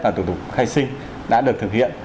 và thủ tục khai sinh đã được thực hiện